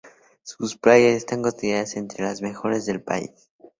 Sus playas están consideradas entre las mejores del país.